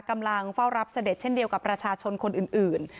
กำลังเฝ้ารับเสด็จเช่นเดียวกับประชาชนคนอื่น